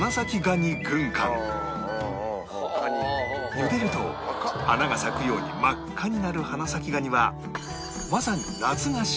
ゆでると花が咲くように真っ赤になる花咲がにはまさに夏が旬